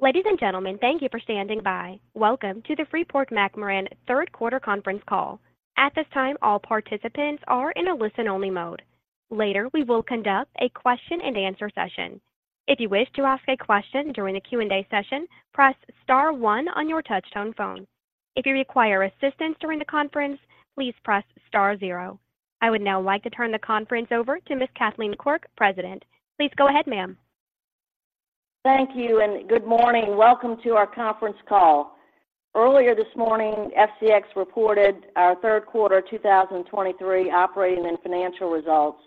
Ladies and gentlemen, thank you for standing by. Welcome to the Freeport-McMoRan third quarter conference call. At this time, all participants are in a listen-only mode. Later, we will conduct a question-and-answer session. If you wish to ask a question during the Q&A session, press star one on your touchtone phone. If you require assistance during the conference, please press star zero. I would now like to turn the conference over to Ms. Kathleen Quirk, President. Please go ahead, ma'am. Thank you, and good morning. Welcome to our conference call. Earlier this morning, FCX reported our third quarter 2023 operating and financial results,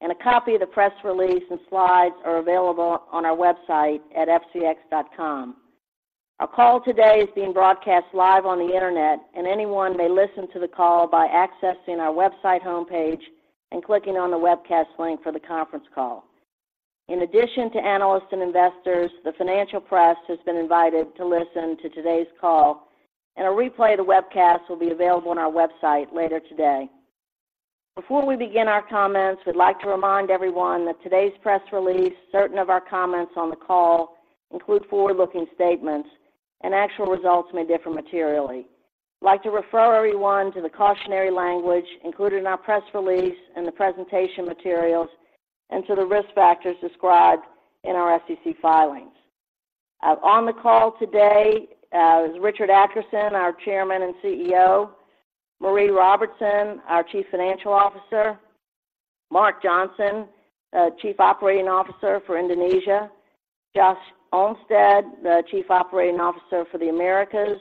and a copy of the press release and slides are available on our website at fcx.com. Our call today is being broadcast live on the Internet, and anyone may listen to the call by accessing our website homepage and clicking on the webcast link for the conference call. In addition to analysts and investors, the financial press has been invited to listen to today's call, and a replay of the webcast will be available on our website later today. Before we begin our comments, we'd like to remind everyone that today's press release, certain of our comments on the call include forward-looking statements, and actual results may differ materially. I'd like to refer everyone to the cautionary language included in our press release and the presentation materials and to the risk factors described in our SEC filings. On the call today is Richard Adkerson, our Chairman and CEO; Maree Robertson, our Chief Financial Officer; Mark Johnson, Chief Operating Officer for Indonesia; Josh Olmsted, the Chief Operating Officer for the Americas;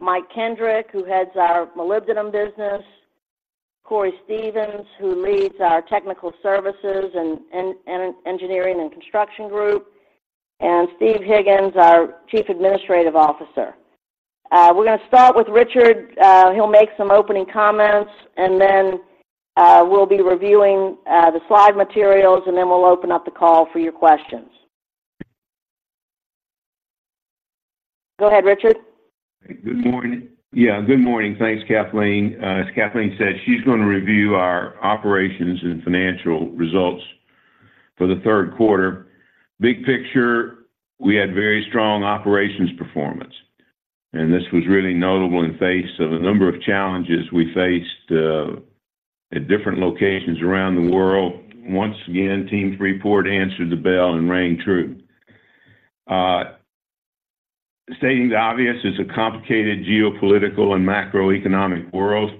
Mike Kendrick, who heads our molybdenum business; Cory Stevens, who leads our Technical Services and Engineering and Construction group; and Steve Higgins, our Chief Administrative Officer. We're going to start with Richard. He'll make some opening comments, and then we'll be reviewing the slide materials, and then we'll open up the call for your questions. Go ahead, Richard. Good morning. Yeah, good morning. Thanks, Kathleen. As Kathleen said, she's going to review our operations and financial results for the third quarter. Big picture, we had very strong operations performance, and this was really notable in face of a number of challenges we faced at different locations around the world. Once again, Team Freeport answered the bell and rang true. Stating the obvious, it's a complicated geopolitical and macroeconomic world.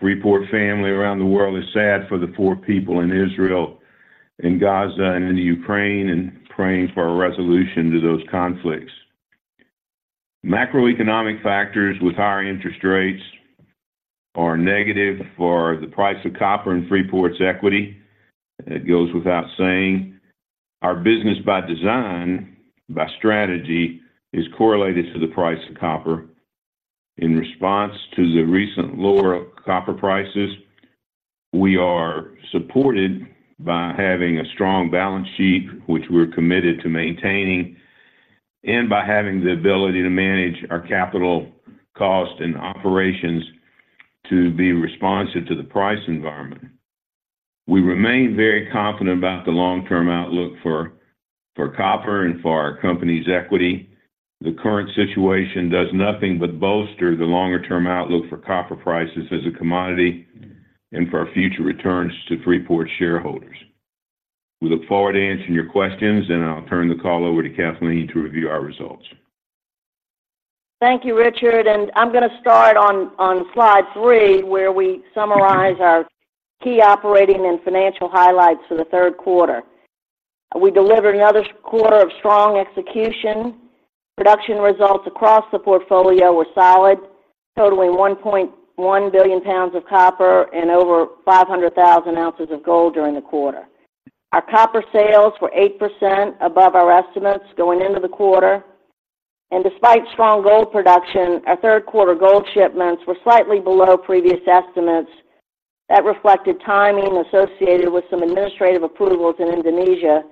Freeport family around the world is sad for the poor people in Israel, in Gaza, and in Ukraine, and praying for a resolution to those conflicts. Macroeconomic factors with higher interest rates are negative for the price of copper and Freeport's equity. It goes without saying, our business by design, by strategy, is correlated to the price of copper. In response to the recent lower copper prices, we are supported by having a strong balance sheet, which we're committed to maintaining, and by having the ability to manage our capital costs and operations to be responsive to the price environment. We remain very confident about the long-term outlook for copper and for our company's equity. The current situation does nothing but bolster the longer-term outlook for copper prices as a commodity and for our future returns to Freeport shareholders. We look forward to answering your questions, and I'll turn the call over to Kathleen to review our results. Thank you, Richard, and I'm going to start on slide 3, where we summarize our key operating and financial highlights for the third quarter. We delivered another quarter of strong execution. Production results across the portfolio were solid, totaling 1.1 billion pounds of copper and over 500,000 ounces of gold during the quarter. Our copper sales were 8% above our estimates going into the quarter, and despite strong gold production, our third quarter gold shipments were slightly below previous estimates. That reflected timing associated with some administrative approvals in Indonesia,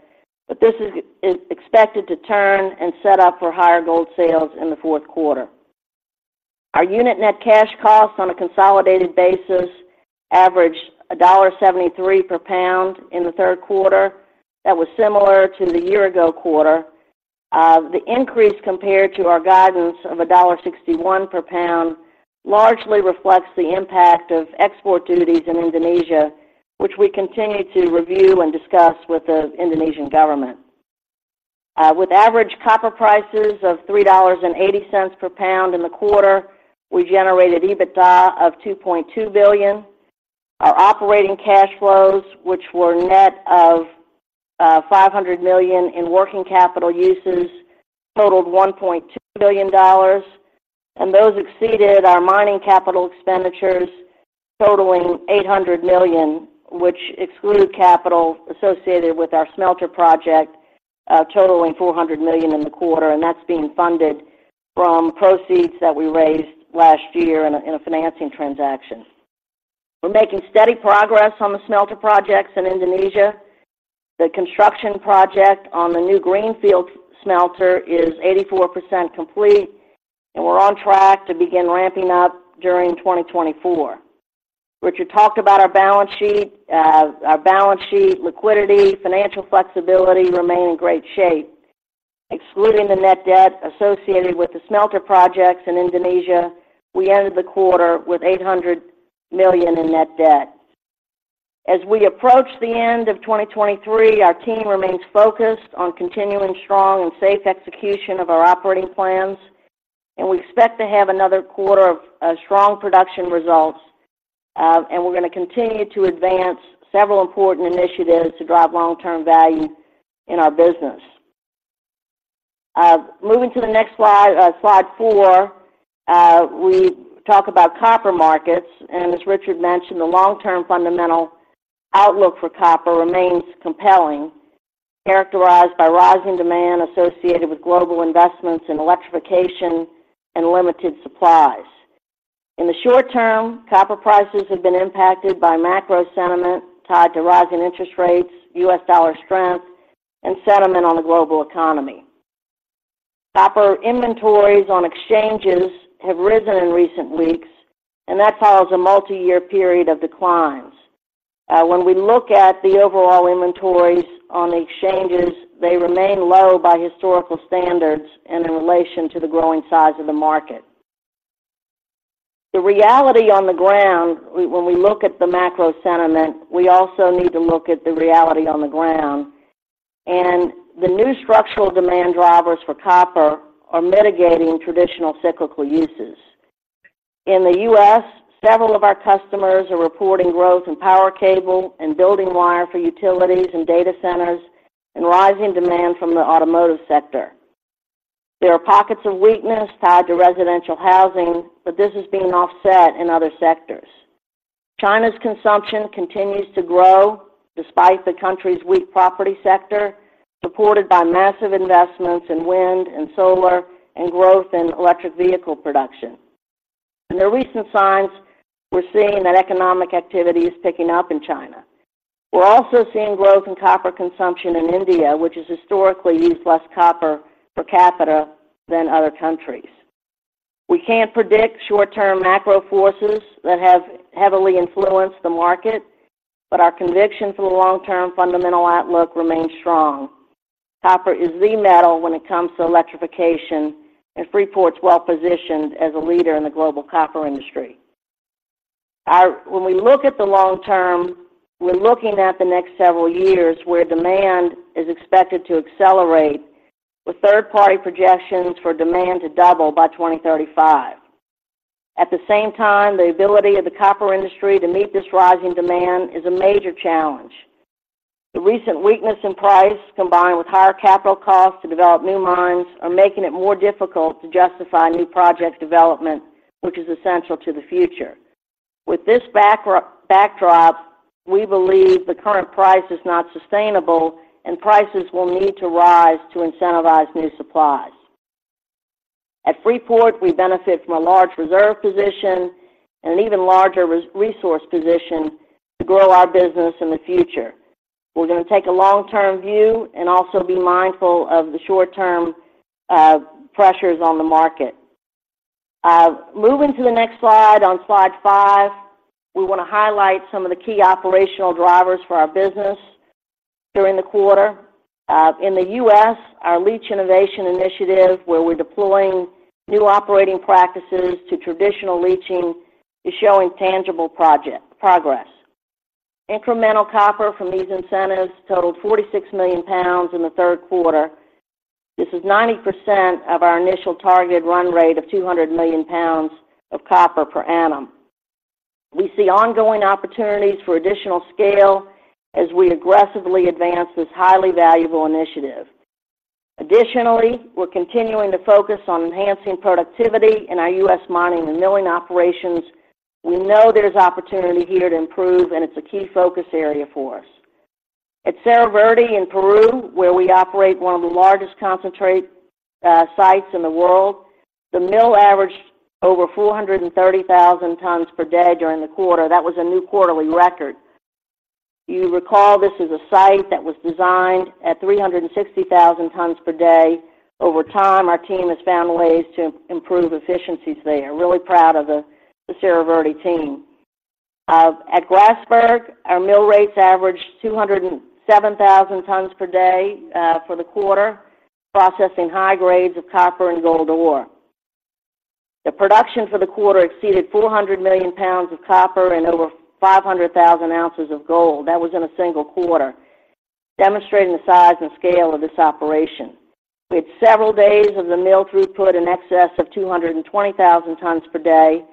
but this is expected to turn and set up for higher gold sales in the fourth quarter. Our unit net cash costs on a consolidated basis averaged $1.73 per pound in the third quarter. That was similar to the year-ago quarter. The increase compared to our guidance of $1.61 per pound largely reflects the impact of export duties in Indonesia, which we continue to review and discuss with the Indonesian government. With average copper prices of $3.80 per pound in the quarter, we generated EBITDA of $2.2 billion. Our operating cash flows, which were net of $500 million in working capital uses, totaled $1.2 billion, and those exceeded our mining capital expenditures, totaling $800 million, which exclude capital associated with our smelter project, totaling $400 million in the quarter, and that's being funded from proceeds that we raised last year in a financing transaction. We're making steady progress on the smelter projects in Indonesia. The construction project on the new greenfield smelter is 84% complete, and we're on track to begin ramping up during 2024. Richard talked about our balance sheet, our balance sheet liquidity, financial flexibility remain in great shape. Excluding the net debt associated with the smelter projects in Indonesia, we ended the quarter with $800 million in net debt. As we approach the end of 2023, our team remains focused on continuing strong and safe execution of our operating plans, and we expect to have another quarter of strong production results, and we're gonna continue to advance several important initiatives to drive long-term value in our business. Moving to the next slide, slide four, we talk about copper markets. As Richard mentioned, the long-term fundamental outlook for copper remains compelling, characterized by rising demand associated with global investments in electrification and limited supplies. In the short term, copper prices have been impacted by macro sentiment tied to rising interest rates, U.S. dollar strength, and sentiment on the global economy. Copper inventories on exchanges have risen in recent weeks, and that follows a multi-year period of declines. When we look at the overall inventories on the exchanges, they remain low by historical standards and in relation to the growing size of the market. The reality on the ground, when we look at the macro sentiment, we also need to look at the reality on the ground, and the new structural demand drivers for copper are mitigating traditional cyclical uses. In the U.S., several of our customers are reporting growth in power cable and building wire for utilities and data centers and rising demand from the automotive sector. There are pockets of weakness tied to residential housing, but this is being offset in other sectors. China's consumption continues to grow despite the country's weak property sector, supported by massive investments in wind and solar and growth in electric vehicle production. And there are recent signs we're seeing that economic activity is picking up in China. We're also seeing growth in copper consumption in India, which has historically used less copper per capita than other countries. We can't predict short-term macro forces that have heavily influenced the market, but our conviction for the long-term fundamental outlook remains strong. Copper is the metal when it comes to electrification, and Freeport is well-positioned as a leader in the global copper industry. When we look at the long term, we're looking at the next several years, where demand is expected to accelerate, with third-party projections for demand to double by 2035. At the same time, the ability of the copper industry to meet this rising demand is a major challenge. The recent weakness in price, combined with higher capital costs to develop new mines, are making it more difficult to justify new project development, which is essential to the future. With this backdrop, we believe the current price is not sustainable, and prices will need to rise to incentivize new supplies. At Freeport, we benefit from a large reserve position and an even larger resource position to grow our business in the future. We're gonna take a long-term view and also be mindful of the short-term pressures on the market. Moving to the next slide, on slide 5, we wanna highlight some of the key operational drivers for our business during the quarter. In the U.S., our leach innovation initiative, where we're deploying new operating practices to traditional leaching, is showing tangible progress. Incremental copper from these initiatives totaled 46 million pounds in the third quarter. This is 90% of our initial targeted run rate of 200 million pounds of copper per annum. We see ongoing opportunities for additional scale as we aggressively advance this highly valuable initiative. Additionally, we're continuing to focus on enhancing productivity in our U.S. mining and milling operations. We know there's opportunity here to improve, and it's a key focus area for us. At Cerro Verde in Peru, where we operate one of the largest concentrate sites in the world, the mill averaged over 430,000 tons per day during the quarter. That was a new quarterly record. You recall, this is a site that was designed at 360,000 tons per day. Over time, our team has found ways to improve efficiencies there. Really proud of the Cerro Verde team. At Grasberg, our mill rates averaged 207,000 tons per day for the quarter, processing high grades of copper and gold ore. The production for the quarter exceeded 400 million pounds of copper and over 500,000 ounces of gold. That was in a single quarter, demonstrating the size and scale of this operation. We had several days of the mill throughput in excess of 220,000 tons per day,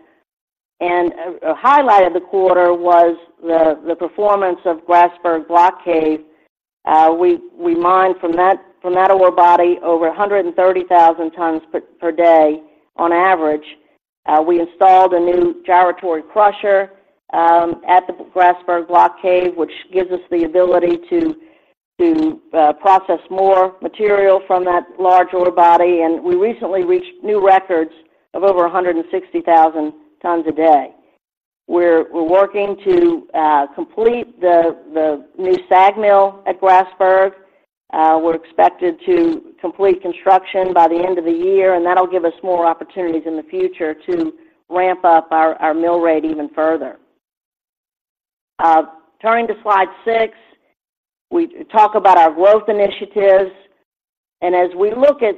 and a highlight of the quarter was the performance of Grasberg Block Cave. We mined from that ore body over 130,000 tons per day on average. We installed a new gyratory crusher at the Grasberg Block Cave, which gives us the ability to process more material from that large ore body, and we recently reached new records of over 160,000 tons a day. We're working to complete the new SAG mill at Grasberg. We're expected to complete construction by the end of the year, and that'll give us more opportunities in the future to ramp up our mill rate even further. Turning to slide 6, we talk about our growth initiatives, and as we look at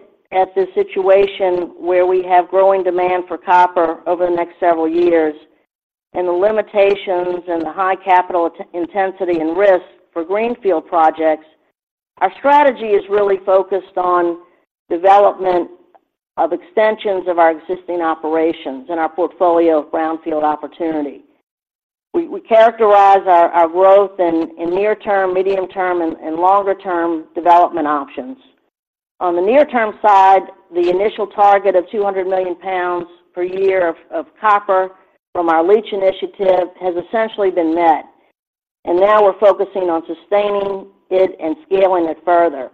the situation where we have growing demand for copper over the next several years, and the limitations and the high capital intensity and risk for greenfield projects, our strategy is really focused on development of extensions of our existing operations and our portfolio of brownfield opportunity. We characterize our growth in near term, medium term, and longer term development options. On the near term side, the initial target of 200 million pounds per year of copper from our leach initiative has essentially been met, and now we're focusing on sustaining it and scaling it further.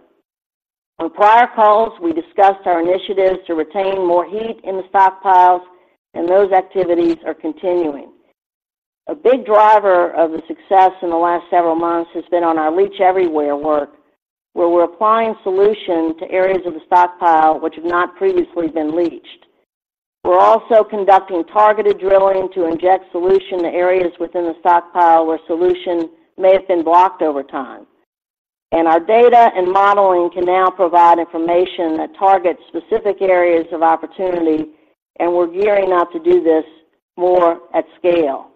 On prior calls, we discussed our initiatives to retain more heap in the stockpiles, and those activities are continuing. A big driver of the success in the last several months has been on our Leach Everywhere work, where we're applying solution to areas of the stockpile which have not previously been leached. We're also conducting targeted drilling to inject solution to areas within the stockpile where solution may have been blocked over time. Our data and modeling can now provide information that targets specific areas of opportunity, and we're gearing up to do this more at scale.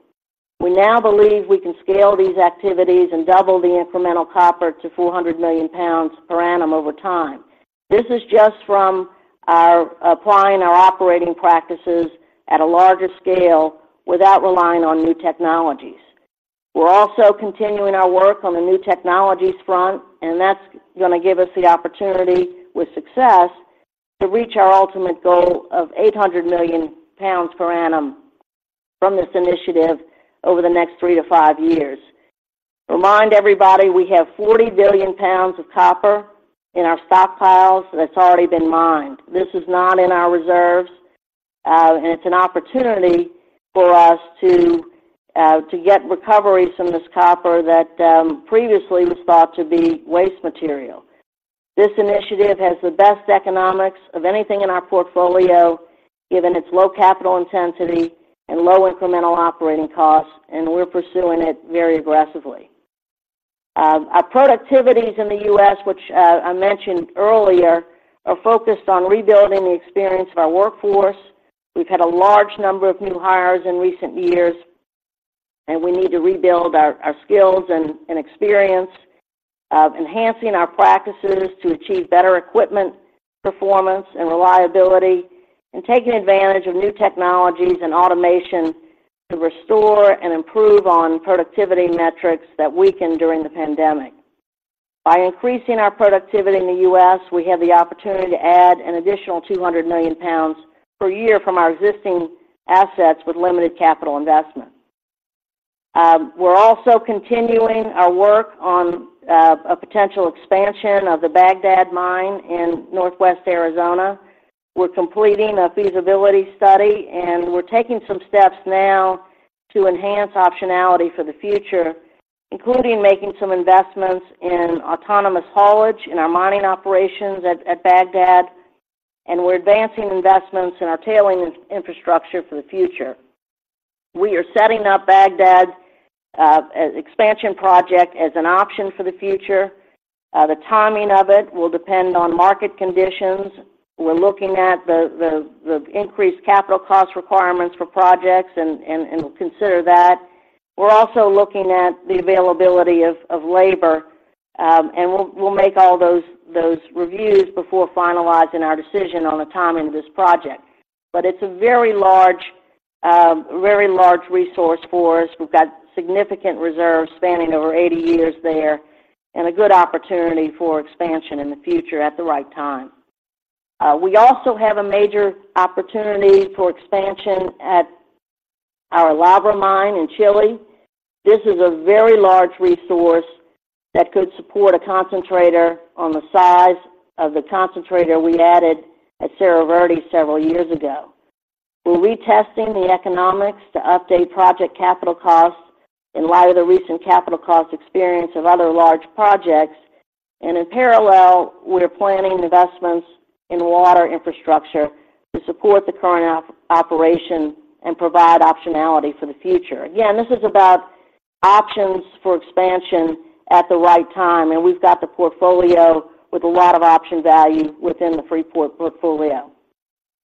We now believe we can scale these activities and double the incremental copper to 400 million pounds per annum over time. This is just from our applying our operating practices at a larger scale without relying on new technologies. We're also continuing our work on the new technologies front, and that's gonna give us the opportunity, with success, to reach our ultimate goal of 800 million pounds per annum from this initiative over the next 3-5 years. Remind everybody, we have 40 billion pounds of copper in our stockpiles that's already been mined. This is not in our reserves, and it's an opportunity for us to get recoveries from this copper that, previously was thought to be waste material. This initiative has the best economics of anything in our portfolio, given its low capital intensity and low incremental operating costs, and we're pursuing it very aggressively. Our productivities in the U.S., which, I mentioned earlier, are focused on rebuilding the experience of our workforce. We've had a large number of new hires in recent years, and we need to rebuild our skills and experience of enhancing our practices to achieve better equipment performance and reliability, and taking advantage of new technologies and automation to restore and improve on productivity metrics that weakened during the pandemic. By increasing our productivity in the U.S., we have the opportunity to add an additional 200 million pounds per year from our existing assets with limited capital investment. We're also continuing our work on a potential expansion of the Bagdad Mine in northwest Arizona. We're completing a feasibility study, and we're taking some steps now to enhance optionality for the future, including making some investments in autonomous haulage in our mining operations at Bagdad, and we're advancing investments in our tailings infrastructure for the future. We are setting up Bagdad as expansion project as an option for the future. The timing of it will depend on market conditions. We're looking at the increased capital cost requirements for projects and we'll consider that. We're also looking at the availability of labor, and we'll make all those reviews before finalizing our decision on the timing of this project. But it's a very large resource for us. We've got significant reserves spanning over 80 years there, and a good opportunity for expansion in the future at the right time. We also have a major opportunity for expansion at our El Abra mine in Chile. This is a very large resource that could support a concentrator on the size of the concentrator we added at Cerro Verde several years ago. We're retesting the economics to update project capital costs in light of the recent capital cost experience of other large projects, and in parallel, we're planning investments in water infrastructure to support the current operation and provide optionality for the future. Again, this is about options for expansion at the right time, and we've got the portfolio with a lot of option value within the Freeport portfolio.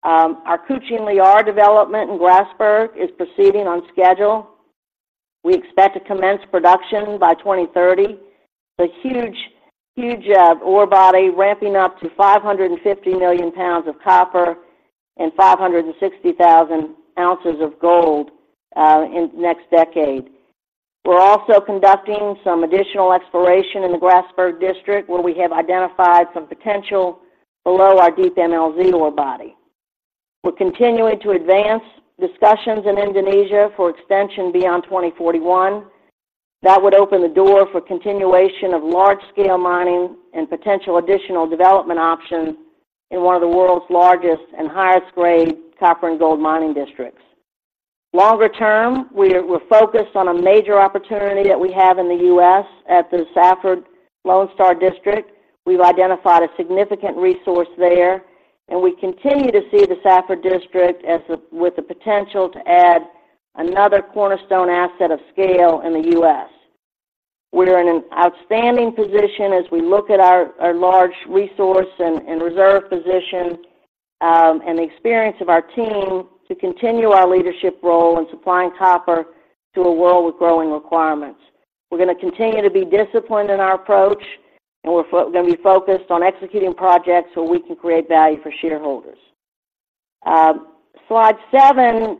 Our Kucing Liar development in Grasberg is proceeding on schedule. We expect to commence production by 2030. It's a huge, huge, ore body, ramping up to 550 million pounds of copper and 560,000 ounces of gold, in the next decade. We're also conducting some additional exploration in the Grasberg District, where we have identified some potential below our deep MLZ ore body. We're continuing to advance discussions in Indonesia for extension beyond 2041. That would open the door for continuation of large-scale mining and potential additional development options in one of the world's largest and highest-grade copper and gold mining districts. Longer term, we're focused on a major opportunity that we have in the U.S. at the Safford Lone Star District. We've identified a significant resource there, and we continue to see the Safford District as the, with the potential to add another cornerstone asset of scale in the U.S.. We're in an outstanding position as we look at our large resource and reserve position, and the experience of our team to continue our leadership role in supplying copper to a world with growing requirements. We're gonna continue to be disciplined in our approach, and we're gonna be focused on executing projects where we can create value for shareholders. Slide 7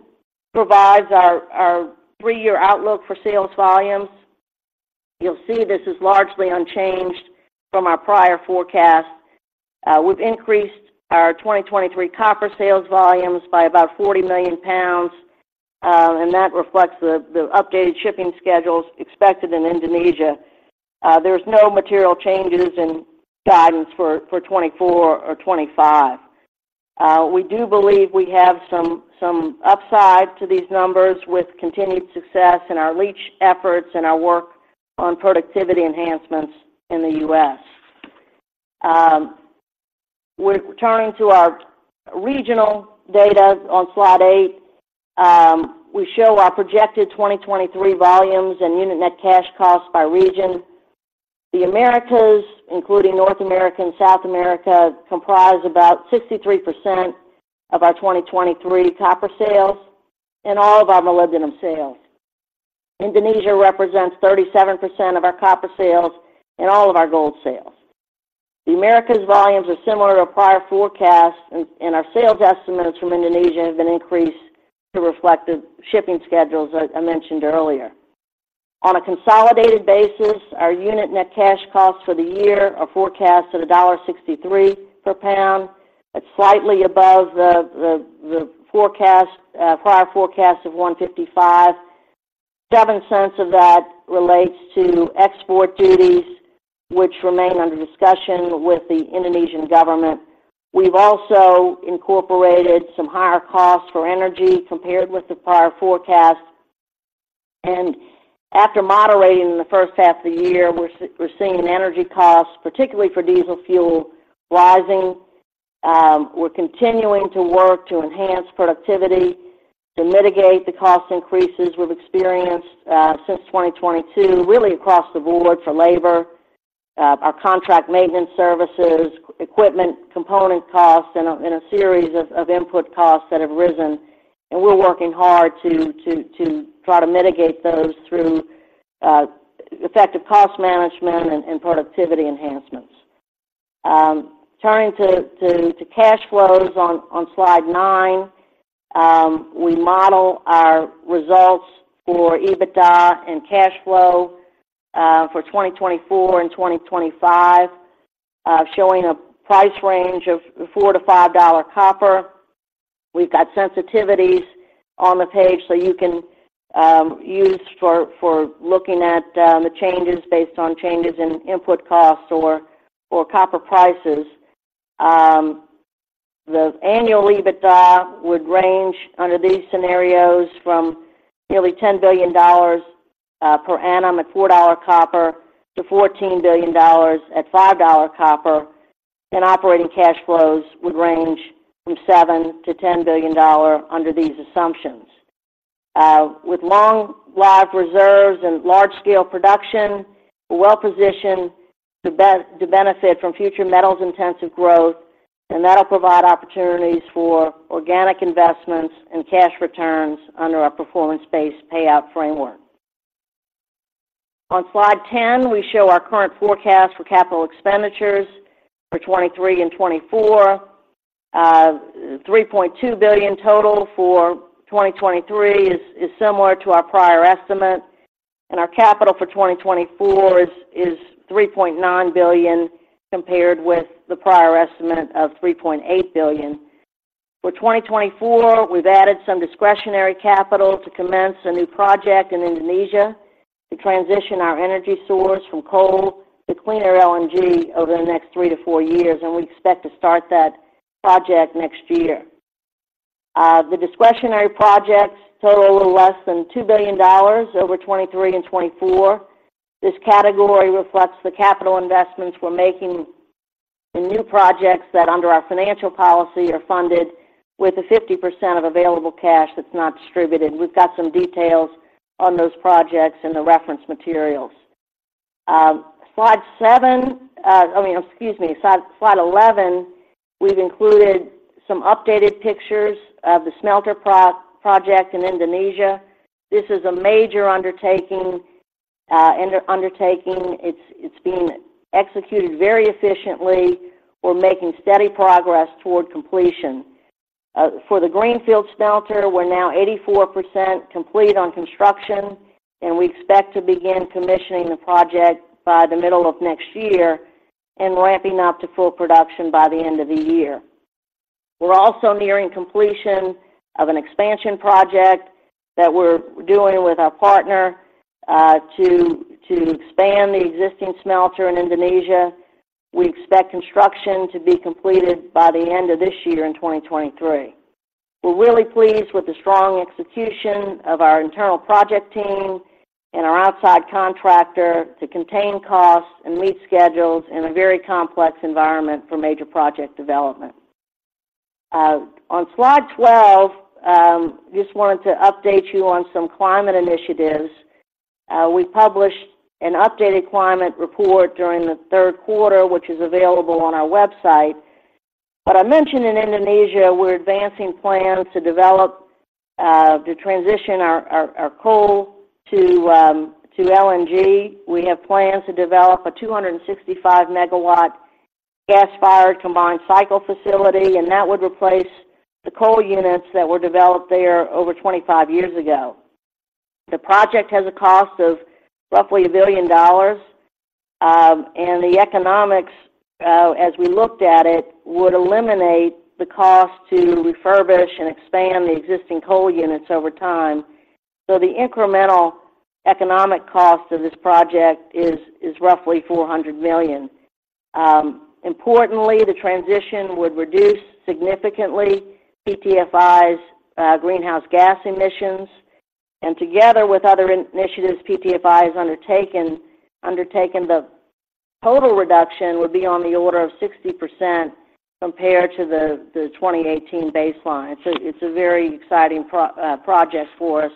provides our three-year outlook for sales volumes. You'll see this is largely unchanged from our prior forecast. We've increased our 2023 copper sales volumes by about 40 million pounds, and that reflects the updated shipping schedules expected in Indonesia. There's no material changes in guidance for 2024 or 2025. We do believe we have some upside to these numbers with continued success in our leach efforts and our work on productivity enhancements in the U.S. We're turning to our regional data on Slide 8. We show our projected 2023 volumes and unit net cash costs by region. The Americas, including North America and South America, comprise about 63% of our 2023 copper sales and all of our molybdenum sales. Indonesia represents 37% of our copper sales and all of our gold sales. The Americas volumes are similar to prior forecasts, and our sales estimates from Indonesia have been increased to reflect the shipping schedules that I mentioned earlier. On a consolidated basis, our unit net cash costs for the year are forecast at $1.63 per pound. That's slightly above the prior forecast of $1.55. $0.07 of that relates to export duties, which remain under discussion with the Indonesian government. We've also incorporated some higher costs for energy compared with the prior forecast, and after moderating in the first half of the year, we're seeing energy costs, particularly for diesel fuel, rising. We're continuing to work to enhance productivity, to mitigate the cost increases we've experienced since 2022, really across the board for labor, our contract maintenance services, equipment, component costs, and in a series of input costs that have risen, and we're working hard to try to mitigate those through effective cost management and productivity enhancements. Turning to cash flows on Slide 9, we model our results for EBITDA and cash flow for 2024 and 2025, showing a price range of $4-$5 copper. We've got sensitivities on the page, so you can use for looking at the changes based on changes in input costs or copper prices. The annual EBITDA would range under these scenarios from nearly $10 billion per annum at $4 copper to $14 billion at $5 copper, and operating cash flows would range from $7-$10 billion under these assumptions. With long-lived reserves and large-scale production, we're well-positioned to benefit from future metals-intensive growth, and that'll provide opportunities for organic investments and cash returns under our performance-based payout framework. On Slide 10, we show our current forecast for capital expenditures for 2023 and 2024. $3.2 billion total for 2023 is similar to our prior estimate, and our capital for 2024 is $3.9 billion, compared with the prior estimate of $3.8 billion. For 2024, we've added some discretionary capital to commence a new project in Indonesia to transition our energy source from coal to cleaner LNG over the next 3-4 years, and we expect to start that project next year. The discretionary projects total a little less than $2 billion over 2023 and 2024. This category reflects the capital investments we're making in new projects that, under our financial policy, are funded with the 50% of available cash that's not distributed. We've got some details on those projects in the reference materials. Slide eleven, I mean, excuse me, we've included some updated pictures of the smelter project in Indonesia. This is a major undertaking. It's being executed very efficiently. We're making steady progress toward completion. For the greenfield smelter, we're now 84% complete on construction, and we expect to begin commissioning the project by the middle of next year and ramping up to full production by the end of the year. We're also nearing completion of an expansion project that we're doing with our partner to expand the existing smelter in Indonesia. We expect construction to be completed by the end of this year in 2023. We're really pleased with the strong execution of our internal project team and our outside contractor to contain costs and meet schedules in a very complex environment for major project development. On slide 12, just wanted to update you on some climate initiatives. We published an updated climate report during the third quarter, which is available on our website. But I mentioned in Indonesia, we're advancing plans to develop to transition our our coal to LNG. We have plans to develop a 265-megawatt gas-fired combined cycle facility, and that would replace the coal units that were developed there over 25 years ago. The project has a cost of roughly $1 billion, and the economics as we looked at it, would eliminate the cost to refurbish and expand the existing coal units over time. So the incremental economic cost of this project is roughly $400 million. Importantly, the transition would reduce significantly PTFI's greenhouse gas emissions, and together with other initiatives PTFI has undertaken, the total reduction would be on the order of 60% compared to the 2018 baseline. It's a very exciting project for us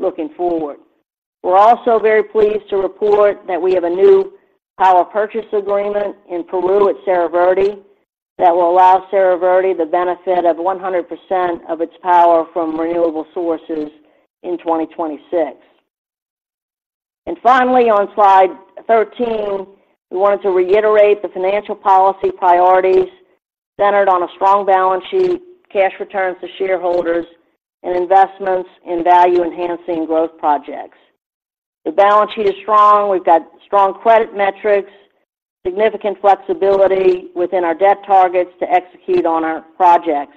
looking forward. We're also very pleased to report that we have a new power purchase agreement in Peru at Cerro Verde, that will allow Cerro Verde the benefit of 100% of its power from renewable sources in 2026. And finally, on slide 13, we wanted to reiterate the financial policy priorities centered on a strong balance sheet, cash returns to shareholders, and investments in value-enhancing growth projects. The balance sheet is strong. We've got strong credit metrics, significant flexibility within our debt targets to execute on our projects.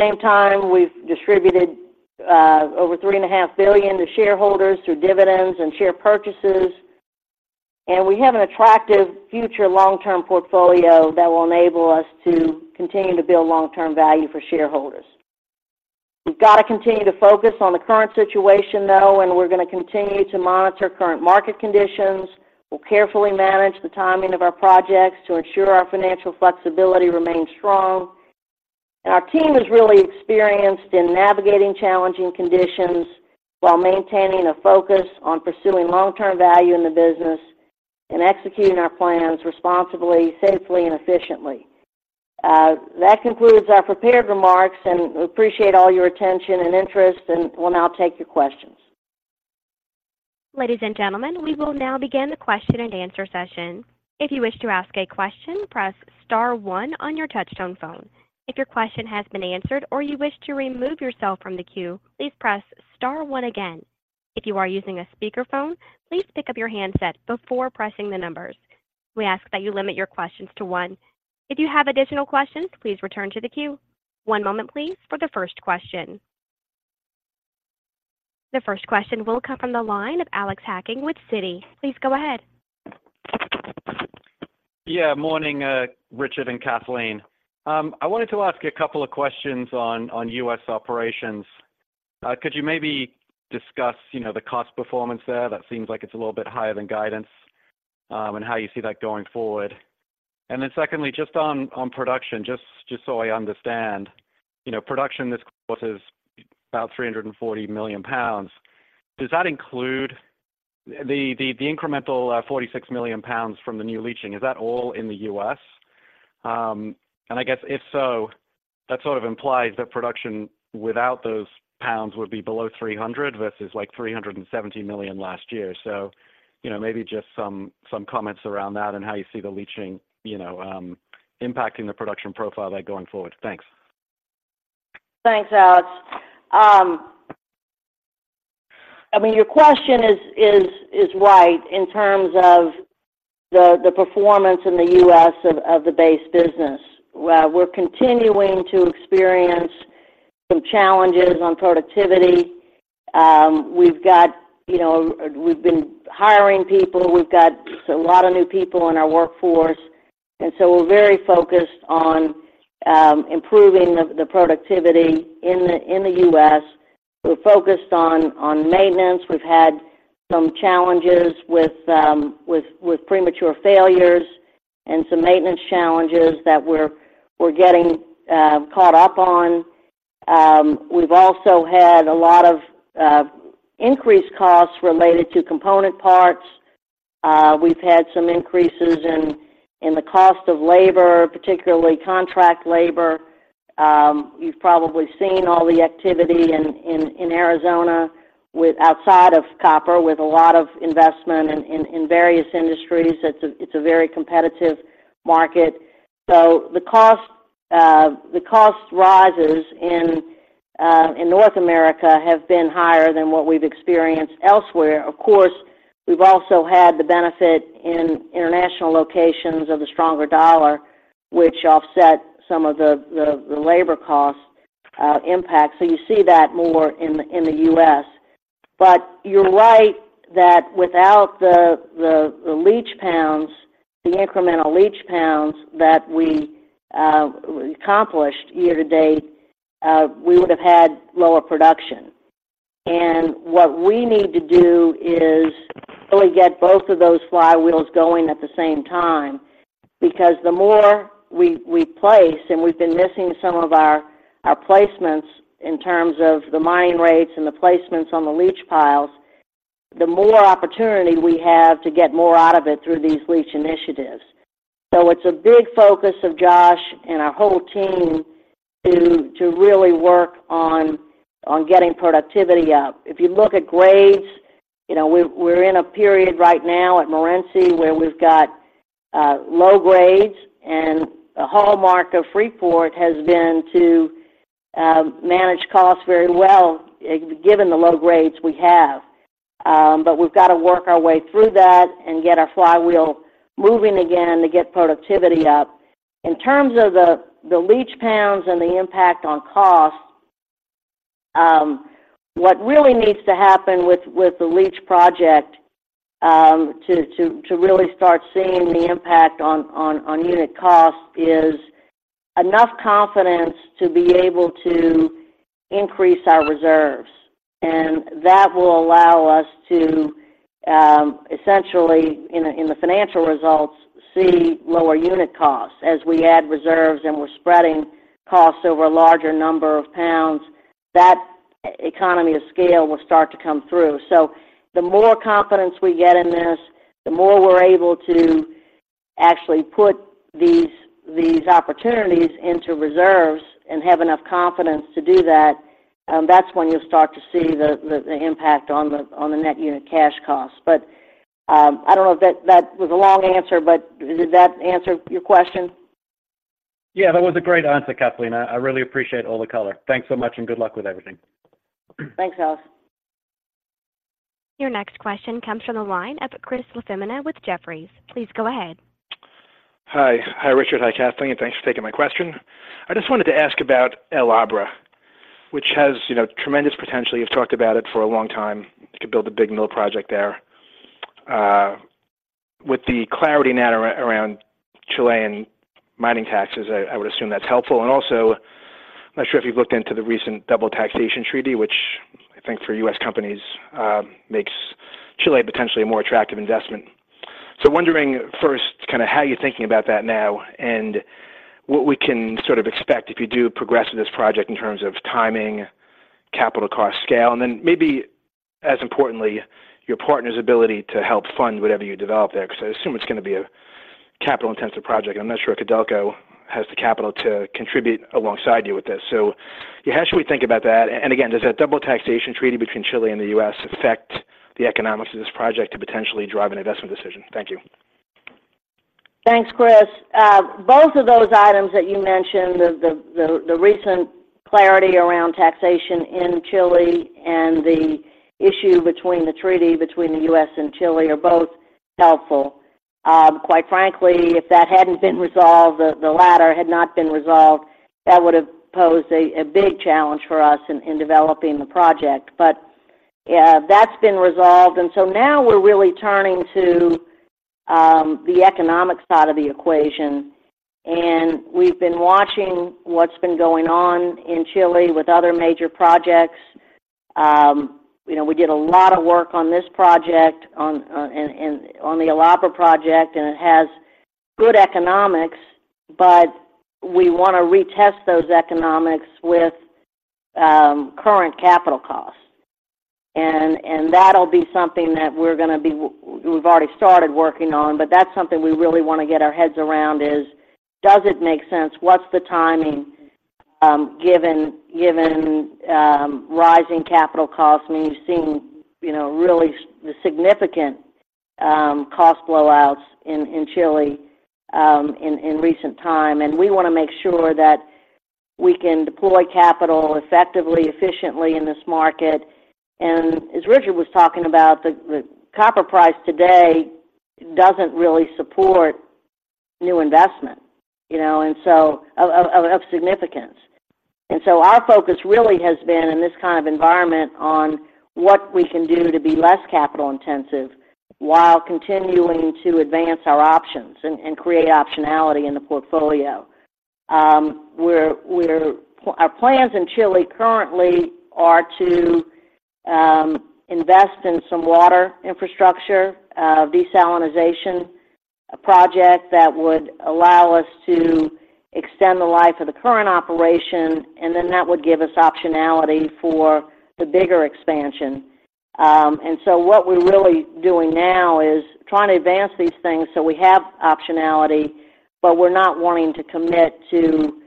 Same time, we've distributed over $3.5 billion to shareholders through dividends and share purchases, and we have an attractive future long-term portfolio that will enable us to continue to build long-term value for shareholders. We've got to continue to focus on the current situation, though, and we're gonna continue to monitor current market conditions. We'll carefully manage the timing of our projects to ensure our financial flexibility remains strong. Our team is really experienced in navigating challenging conditions while maintaining a focus on pursuing long-term value in the business and executing our plans responsibly, safely, and efficiently. That concludes our prepared remarks, and we appreciate all your attention and interest, and we'll now take your questions. Ladies and gentlemen, we will now begin the question-and-answer session. If you wish to ask a question, press star one on your touchtone phone. If your question has been answered or you wish to remove yourself from the queue, please press star one again. If you are using a speakerphone, please pick up your handset before pressing the numbers. We ask that you limit your questions to one. If you have additional questions, please return to the queue. One moment, please, for the first question. The first question will come from the line of Alex Hacking with Citi. Please go ahead. Yeah, morning, Richard and Kathleen. I wanted to ask a couple of questions on U.S. operations. Could you maybe discuss, you know, the cost performance there? That seems like it's a little bit higher than guidance, and how you see that going forward. And then secondly, just on production, just so I understand, you know, production this quarter is about 340 million pounds. Does that include the incremental 46 million pounds from the new leaching? Is that all in the U.S.? And I guess if so, that sort of implies that production without those pounds would be below 300 versus, like, 370 million last year. So, you know, maybe just some comments around that and how you see the leaching, you know, impacting the production profile there going forward. Thanks. Thanks, Alex. I mean, your question is right in terms of the performance in the U.S. of the base business. Well, we're continuing to experience some challenges on productivity. We've got, you know, we've been hiring people. We've got a lot of new people in our workforce, and so we're very focused on improving the productivity in the U.S. We're focused on maintenance. We've had some challenges with premature failures and some maintenance challenges that we're getting caught up on. We've also had a lot of increased costs related to component parts. We've had some increases in the cost of labor, particularly contract labor. You've probably seen all the activity in Arizona with outside of copper, with a lot of investment in various industries. It's a, it's a very competitive market. So the cost, the cost rises in, in North America have been higher than what we've experienced elsewhere. Of course, we've also had the benefit in international locations of the stronger dollar, which offset some of the, the, the labor cost, impact. So you see that more in, in the U.S.... But you're right that without the, the, the leach pounds, the incremental leach pounds that we, we accomplished year-to-date, we would have had lower production. And what we need to do is really get both of those flywheels going at the same time, because the more we, we place, and we've been missing some of our, our placements in terms of the mining rates and the placements on the leach piles, the more opportunity we have to get more out of it through these leach initiatives. So it's a big focus of Josh and our whole team to really work on getting productivity up. If you look at grades, you know, we're in a period right now at Morenci, where we've got low grades, and the hallmark of Freeport has been to manage costs very well given the low grades we have. But we've got to work our way through that and get our flywheel moving again to get productivity up. In terms of the leach pounds and the impact on costs, what really needs to happen with the leach project to really start seeing the impact on unit costs is enough confidence to be able to increase our reserves. And that will allow us to essentially in the financial results see lower unit costs. As we add reserves and we're spreading costs over a larger number of pounds, that economy of scale will start to come through. So the more confidence we get in this, the more we're able to actually put these opportunities into reserves and have enough confidence to do that, that's when you'll start to see the impact on the net unit cash costs. But, I don't know if that. That was a long answer, but did that answer your question? Yeah, that was a great answer, Kathleen. I really appreciate all the color. Thanks so much, and good luck with everything. Thanks, Alex. Your next question comes from the line of Chris LaFemina with Jefferies. Please go ahead. Hi. Hi, Richard. Hi, Kathleen, and thanks for taking my question. I just wanted to ask about El Abra, which has, you know, tremendous potential. You've talked about it for a long time. You could build a big mill project there. With the clarity now around Chilean mining taxes, I would assume that's helpful. And also, I'm not sure if you've looked into the recent double taxation treaty, which I think for U.S. companies makes Chile potentially a more attractive investment. So wondering first, kind of how you're thinking about that now and what we can sort of expect if you do progress in this project in terms of timing, capital cost, scale, and then maybe as importantly, your partner's ability to help fund whatever you develop there, because I assume it's going to be a capital-intensive project. I'm not sure if Codelco has the capital to contribute alongside you with this. How should we think about that? Again, does that double taxation treaty between Chile and the U.S. affect the economics of this project to potentially drive an investment decision? Thank you. Thanks, Chris. Both of those items that you mentioned, the recent clarity around taxation in Chile and the issue between the treaty between the U.S. and Chile, are both helpful. Quite frankly, if that hadn't been resolved, the latter had not been resolved, that would have posed a big challenge for us in developing the project. But, yeah, that's been resolved, and so now we're really turning to the economics side of the equation, and we've been watching what's been going on in Chile with other major projects. You know, we did a lot of work on this project, on the El Abra project, and it has good economics, but we want to retest those economics with current capital costs. And that'll be something that we're going to be – we've already started working on, but that's something we really want to get our heads around is: Does it make sense? What's the timing, given rising capital costs? I mean, you've seen, you know, really the significant cost blowouts in Chile in recent time, and we want to make sure that we can deploy capital effectively, efficiently in this market. And as Richard was talking about, the copper price today doesn't really support new investment, you know, and so of significance. And so our focus really has been in this kind of environment on what we can do to be less capital intensive while continuing to advance our options and create optionality in the portfolio. Our plans in Chile currently are to invest in some water infrastructure, desalination, a project that would allow us to extend the life of the current operation, and then that would give us optionality for the bigger expansion. And so what we're really doing now is trying to advance these things so we have optionality, but we're not wanting to commit to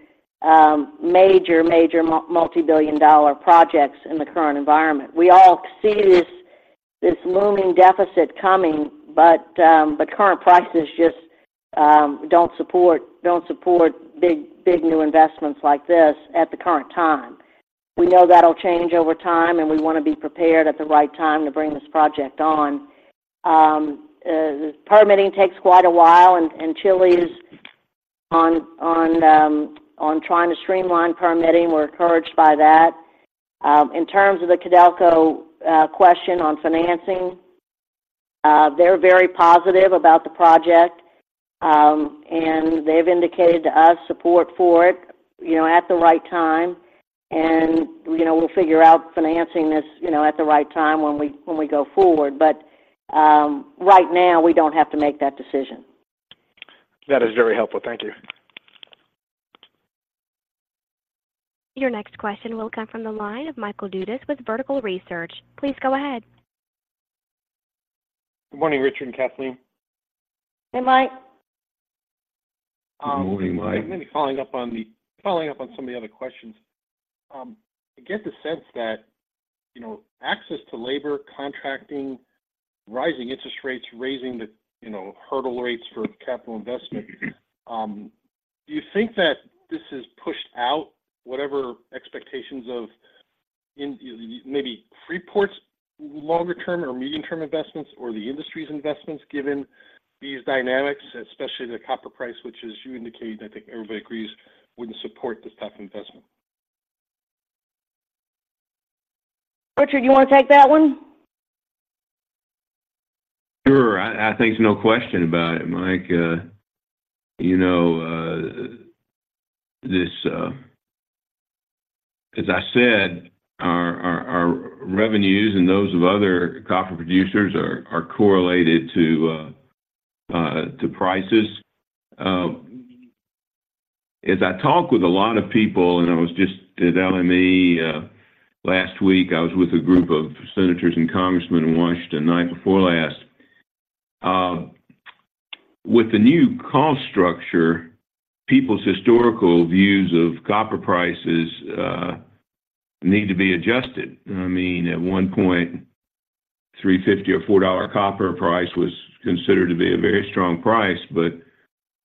major multibillion-dollar projects in the current environment. We all see this looming deficit coming, but the current prices just don't support big new investments like this at the current time. We know that'll change over time, and we want to be prepared at the right time to bring this project on. Permitting takes quite a while, and Chile's on trying to streamline permitting, we're encouraged by that. In terms of the Codelco question on financing, they're very positive about the project. They've indicated to us support for it, you know, at the right time. You know, we'll figure out financing this, you know, at the right time when we, when we go forward, but right now, we don't have to make that decision. That is very helpful. Thank you. Your next question will come from the line of Michael Dudas with Vertical Research. Please go ahead. Good morning, Richard and Kathleen. Hey, Mike. Good morning, Mike. Let me follow up on some of the other questions. I get the sense that, you know, access to labor, contracting, rising interest rates, raising the, you know, hurdle rates for capital investment, do you think that this has pushed out whatever expectations of maybe Freeport's longer-term or medium-term investments or the industry's investments, given these dynamics, especially the copper price, which as you indicated, I think everybody agrees, wouldn't support this type of investment? Richard, you wanna take that one? Sure. I think there's no question about it, Mike. You know, this, as I said, our revenues and those of other copper producers are correlated to prices. As I talk with a lot of people, and I was just at LME last week, I was with a group of senators and congressmen in Washington the night before last. With the new cost structure, people's historical views of copper prices need to be adjusted. I mean, at one point, $3.50 or $4 copper price was considered to be a very strong price, but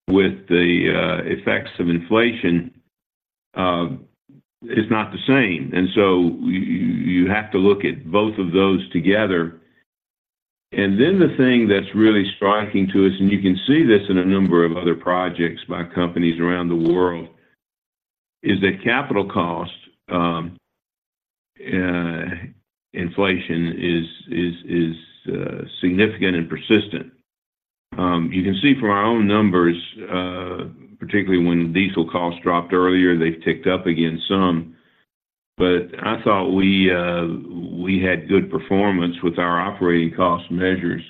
with the effects of inflation, it's not the same. So you have to look at both of those together. And then the thing that's really striking to us, and you can see this in a number of other projects by companies around the world, is that capital cost inflation is significant and persistent. You can see from our own numbers, particularly when diesel costs dropped earlier, they've ticked up again some. But I thought we had good performance with our operating cost measures.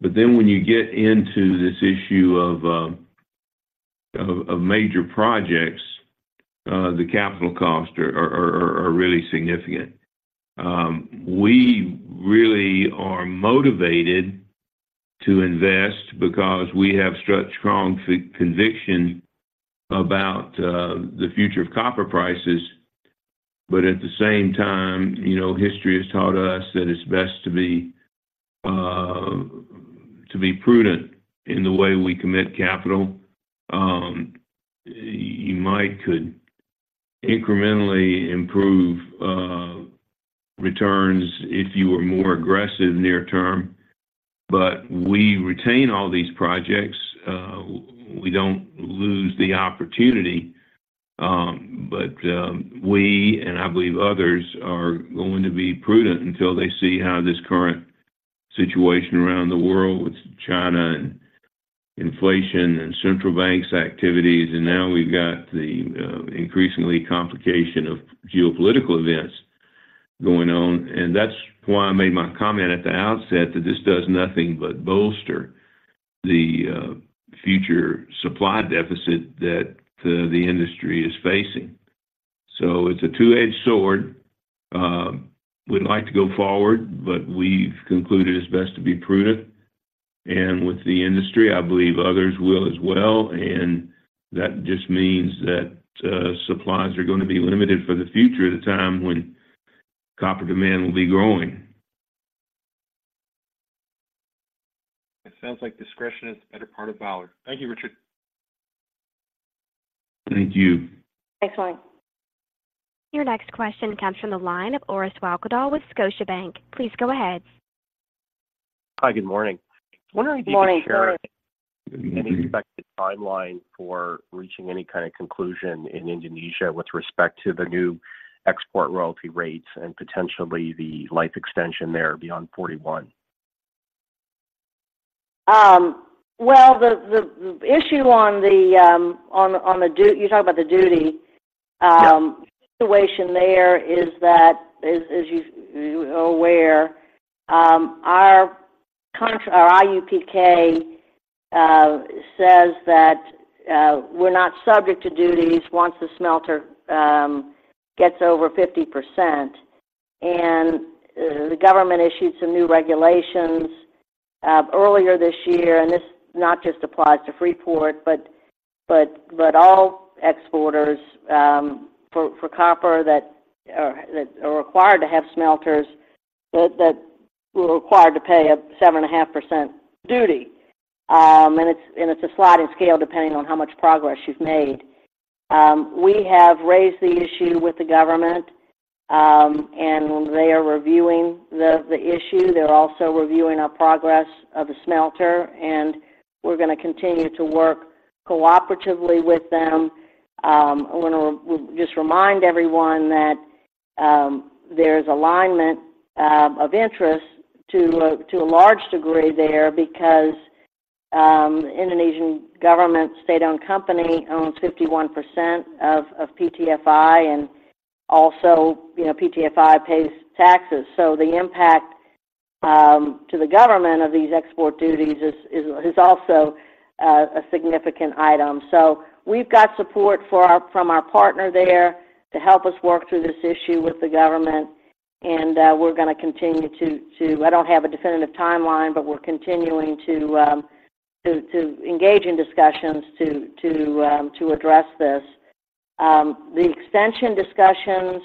But then when you get into this issue of major projects, the capital costs are really significant. We really are motivated to invest because we have such strong conviction about the future of copper prices. But at the same time, you know, history has taught us that it's best to be prudent in the way we commit capital. You might could incrementally improve returns if you were more aggressive near term, but we retain all these projects. We don't lose the opportunity, but we and I believe others are going to be prudent until they see how this current situation around the world with China and inflation and central banks' activities, and now we've got the increasingly complications of geopolitical events going on. And that's why I made my comment at the outset that this does nothing but bolster the future supply deficit that the industry is facing. So it's a two-edged sword. We'd like to go forward, but we've concluded it's best to be prudent. And with the industry, I believe others will as well, and that just means that supplies are gonna be limited for the future at a time when copper demand will be growing. It sounds like discretion is the better part of valor. Thank you, Richard. Thank you. Thanks, Mike. Your next question comes from the line of Orest Wowkodaw with Scotiabank. Please go ahead. Hi, good morning. Morning, Auris. Good morning. Any expected timeline for reaching any kind of conclusion in Indonesia with respect to the new export royalty rates and potentially the life extension there beyond 41? Well, the issue on the duty you're talking about. Yes. The situation there is that, as you are aware, our contract, our IUPK, says that we're not subject to duties once the smelter gets over 50%. And the government issued some new regulations earlier this year, and this not just applies to Freeport, but all exporters for copper that are required to have smelters, that we're required to pay a 7.5% duty. And it's a sliding scale, depending on how much progress you've made... We have raised the issue with the government, and they are reviewing the issue. They're also reviewing our progress of the smelter, and we're gonna continue to work cooperatively with them. I want to just remind everyone that there's alignment of interest to a large degree there, because Indonesian government state-owned company owns 51% of PTFI, and also, you know, PTFI pays taxes. So the impact to the government of these export duties is also a significant item. So we've got support from our partner there to help us work through this issue with the government, and we're gonna continue to. I don't have a definitive timeline, but we're continuing to engage in discussions to address this. The extension discussions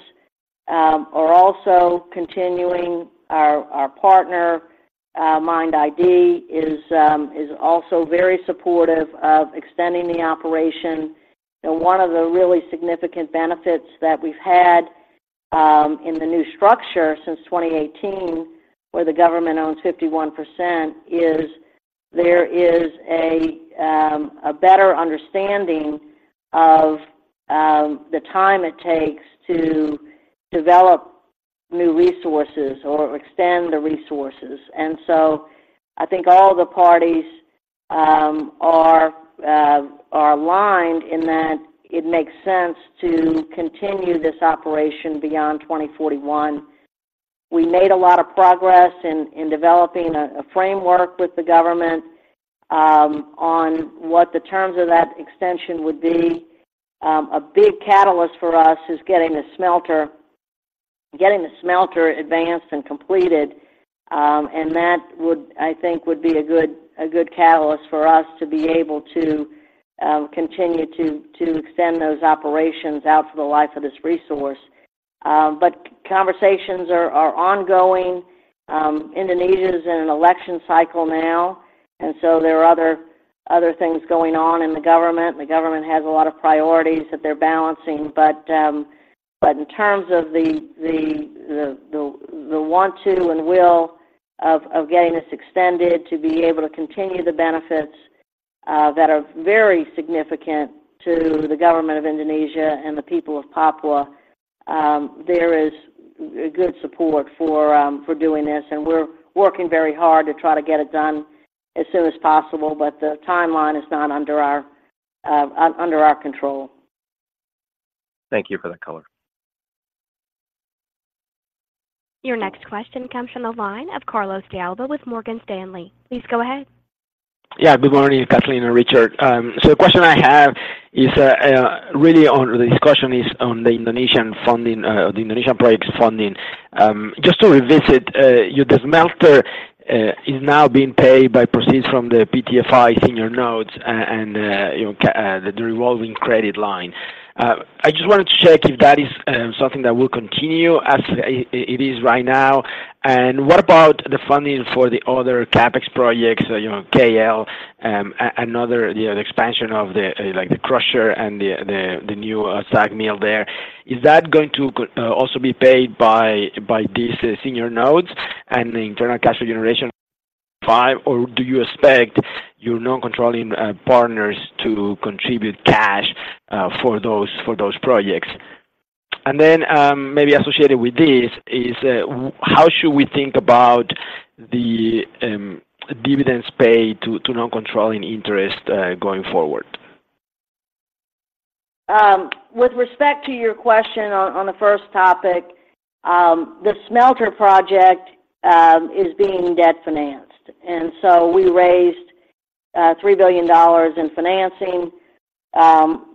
are also continuing. Our partner, MIND ID, is also very supportive of extending the operation. One of the really significant benefits that we've had in the new structure since 2018, where the government owns 51%, is a better understanding of the time it takes to develop new resources or extend the resources. And so I think all the parties are aligned in that it makes sense to continue this operation beyond 2041. We made a lot of progress in developing a framework with the government on what the terms of that extension would be. A big catalyst for us is getting the smelter, getting the smelter advanced and completed, and that would, I think, would be a good, a good catalyst for us to be able to continue to extend those operations out for the life of this resource. But conversations are ongoing. Indonesia is in an election cycle now, and so there are other things going on in the government. The government has a lot of priorities that they're balancing, but in terms of the want to and will of getting this extended to be able to continue the benefits that are very significant to the government of Indonesia and the people of Papua, there is good support for doing this, and we're working very hard to try to get it done as soon as possible, but the timeline is not under our control. Thank you for that color. Your next question comes from the line of Carlos de Alba with Morgan Stanley. Please go ahead. Yeah, good morning, Kathleen and Richard. So the question I have is really on the discussion is on the Indonesian funding, the Indonesian projects funding. Just to revisit, the smelter is now being paid by proceeds from the PTFI senior notes and, you know, the revolving credit line. I just wanted to check if that is something that will continue as it is right now. And what about the funding for the other CapEx projects, you know, KL, another, you know, expansion of the, like, the crusher and the new SAG mill there? Is that going to also be paid by these senior notes and the internal cash flow generation, or do you expect your non-controlling partners to contribute cash for those projects? And then, maybe associated with this is how should we think about the dividends paid to non-controlling interest going forward? With respect to your question on the first topic, the smelter project is being debt-financed, and so we raised $3 billion in financing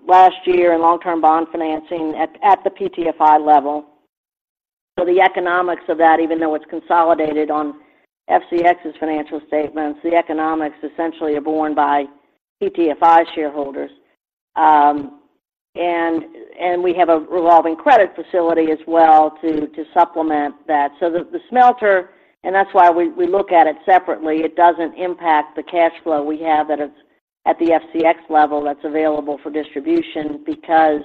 last year in long-term bond financing at the PTFI level. So the economics of that, even though it's consolidated on FCX's financial statements, the economics essentially are borne by PTFI shareholders. And we have a revolving credit facility as well to supplement that. So the smelter, and that's why we look at it separately, it doesn't impact the cash flow we have at the FCX level that's available for distribution because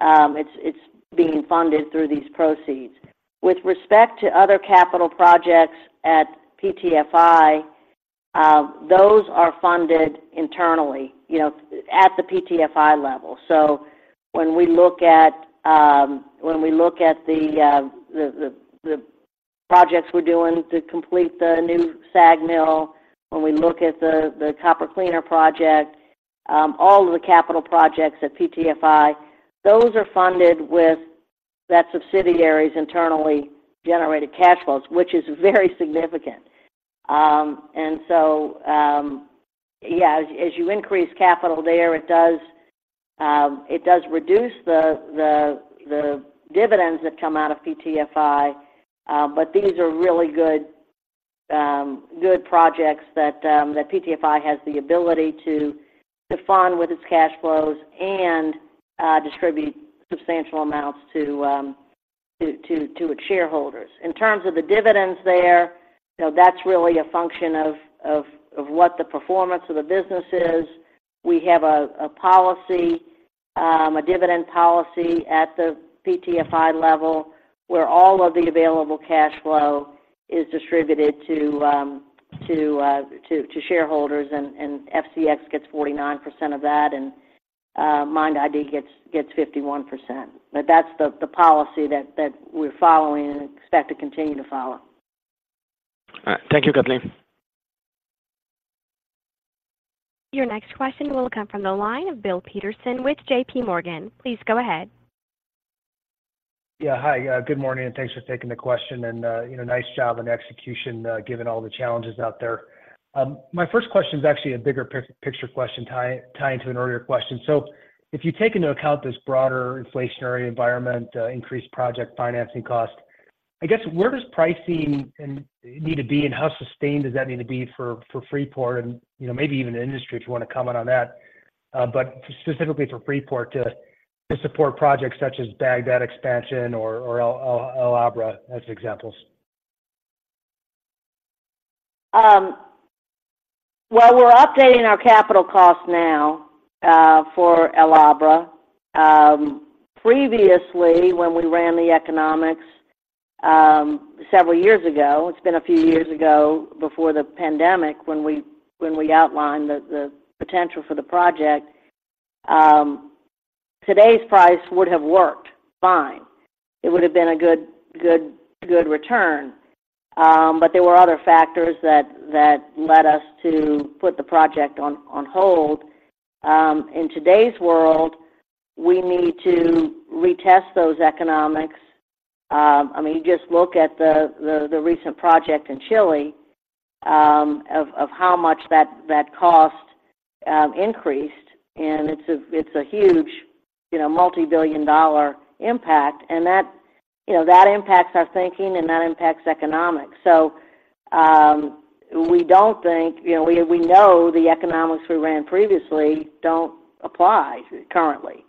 it's being funded through these proceeds. With respect to other capital projects at PTFI, those are funded internally, you know, at the PTFI level. So when we look at the projects we're doing to complete the new SAG mill, when we look at the copper cleaner project, all of the capital projects at PTFI, those are funded with that subsidiary's internally generated cash flows, which is very significant. And so, yeah, as you increase capital there, it does reduce the dividends that come out of PTFI, but these are really good projects that PTFI has the ability to fund with its cash flows and distribute substantial amounts to its shareholders. In terms of the dividends there, you know, that's really a function of what the performance of the business is. We have a policy, a dividend policy at the PTFI level, where all of the available cash flow is distributed to shareholders, and FCX gets 49% of that, and MIND ID gets 51%. But that's the policy that we're following and expect to continue to follow. All right. Thank you, Kathleen. Your next question will come from the line of Bill Peterson with J.P. Morgan. Please go ahead. Yeah. Hi, good morning, and thanks for taking the question, and, you know, nice job on execution, given all the challenges out there. My first question is actually a bigger picture question tying to an earlier question. So if you take into account this broader inflationary environment, increased project financing cost, I guess, where does pricing need to be, and how sustained does that need to be for Freeport and, you know, maybe even the industry, if you want to comment on that? But specifically for Freeport, to support projects such as Bagdad expansion or El Abra as examples. Well, we're updating our capital costs now for El Abra. Previously, when we ran the economics, several years ago, it's been a few years ago, before the pandemic, when we, when we outlined the, the potential for the project, today's price would have worked fine. It would have been a good, good, good return. But there were other factors that, that led us to put the project on, on hold. In today's world, we need to retest those economics. I mean, you just look at the, the, the recent project in Chile, of, of how much that, that cost increased, and it's a, it's a huge, you know, multibillion-dollar impact, and that, you know, that impacts our thinking and that impacts economics. So, we don't think, you know, we, we know the economics we ran previously don't apply currently.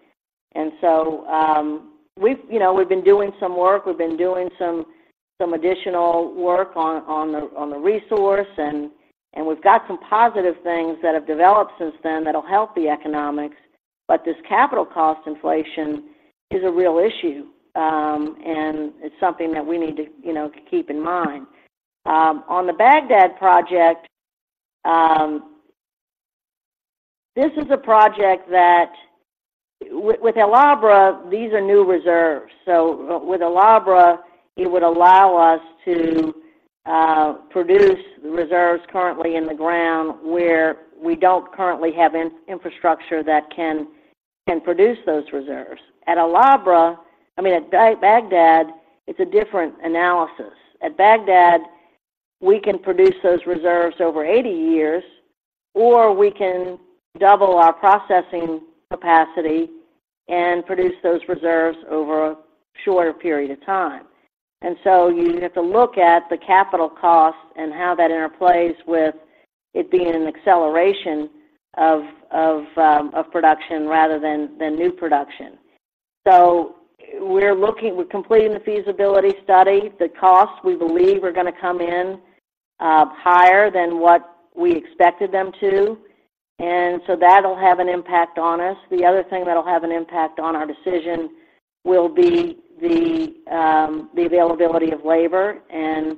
So, we've, you know, we've been doing some work. We've been doing some additional work on the resource, and we've got some positive things that have developed since then that'll help the economics, but this capital cost inflation is a real issue, and it's something that we need to, you know, keep in mind. On the Bagdad project, this is a project that... With El Abra, these are new reserves. So with El Abra, it would allow us to produce the reserves currently in the ground where we don't currently have infrastructure that can produce those reserves. At El Abra, I mean, at Bagdad, it's a different analysis. At Bagdad, we can produce those reserves over 80 years, or we can double our processing capacity and produce those reserves over a shorter period of time. And so you have to look at the capital cost and how that interplays with it being an acceleration of production rather than new production. So we're looking. We're completing the feasibility study. The costs, we believe, are going to come in higher than what we expected them to, and so that'll have an impact on us. The other thing that'll have an impact on our decision will be the availability of labor and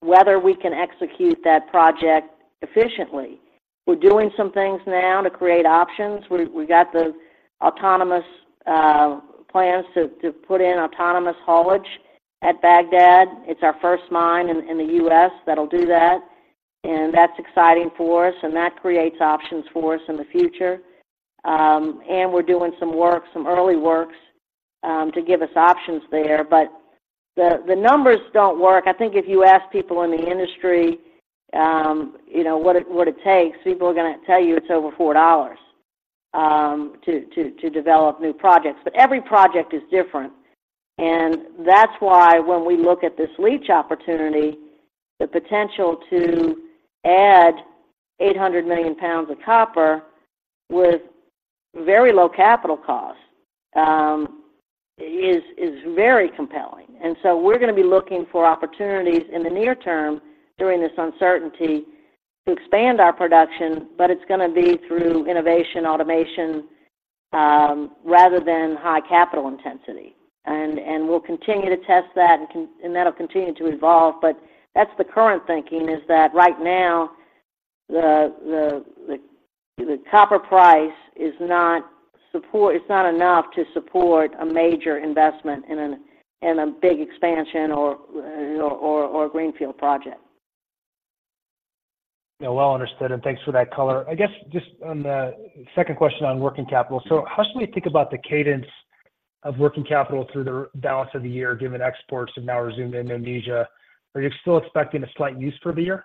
whether we can execute that project efficiently. We're doing some things now to create options. We got the autonomous plans to put in autonomous haulage at Bagdad. It's our first mine in the U.S. that'll do that, and that's exciting for us, and that creates options for us in the future. We're doing some work, some early works, to give us options there, but the numbers don't work. I think if you ask people in the industry, you know, what it, what it takes, people are going to tell you it's over $4, to develop new projects. But every project is different, and that's why when we look at this leach opportunity, the potential to add 800 million pounds of copper with very low capital cost, is very compelling. And so we're going to be looking for opportunities in the near term during this uncertainty to expand our production, but it's going to be through innovation, automation, rather than high capital intensity. We'll continue to test that, and that'll continue to evolve, but that's the current thinking, is that right now, the copper price is not enough to support a major investment in a big expansion or a greenfield project. Yeah, well understood, and thanks for that color. I guess just on the second question on working capital: So how should we think about the cadence of working capital through the balance of the year, given exports have now resumed in Indonesia? Are you still expecting a slight use for the year?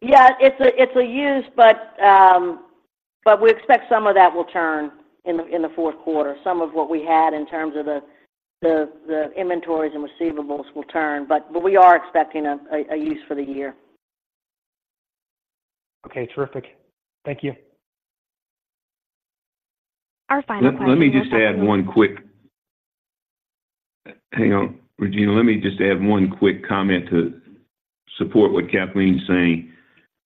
Yeah, it's a use, but we expect some of that will turn in the fourth quarter. Some of what we had in terms of the inventories and receivables will turn, but we are expecting a use for the year. Okay, terrific. Thank you. Our final question will come from- Let me just add one quick comment. Hang on, Regina, let me just add one quick comment to support what Kathleen's saying.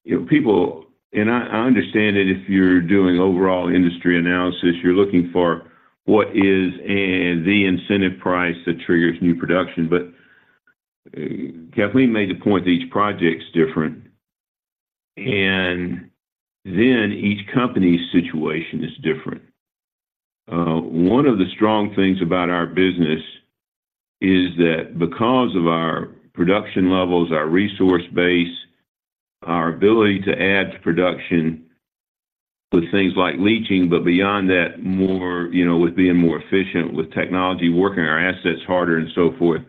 You know, people, and I understand that if you're doing overall industry analysis, you're looking for what is the incentive price that triggers new production. But Kathleen made the point that each project's different, and then each company's situation is different. One of the strong things about our business is that because of our production levels, our resource base, our ability to add to production with things like leaching, but beyond that, you know, with being more efficient with technology, working our assets harder, and so forth,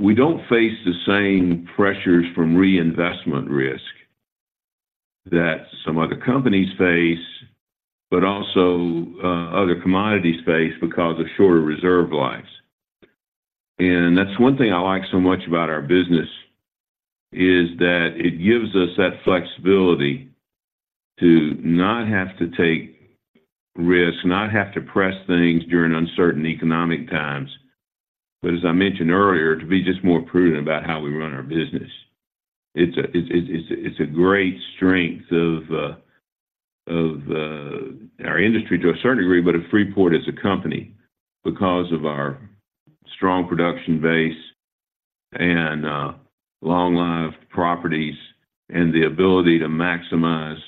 we don't face the same pressures from reinvestment risk that some other companies face, but also other commodities face because of shorter reserve lives. That's one thing I like so much about our business, is that it gives us that flexibility to not have to take risks, not have to press things during uncertain economic times, but as I mentioned earlier, to be just more prudent about how we run our business. It's a great strength of our industry to a certain degree, but of Freeport as a company, because of our strong production base and long-lived properties and the ability to maximize